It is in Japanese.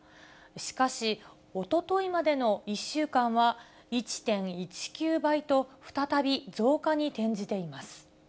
しかし、おとといまでの１週間は１．１９倍と、再び増加に転じています。